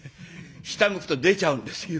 下向くと出ちゃうんですよ」。